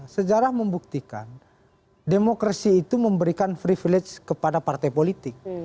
sejarah membuktikan demokrasi itu memberikan privilege kepada partai politik